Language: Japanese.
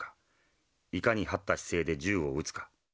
いかに這った姿勢で銃を撃つか。